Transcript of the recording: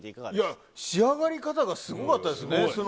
いや、仕上がり方がすごかったですね。